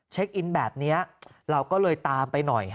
อินแบบนี้เราก็เลยตามไปหน่อย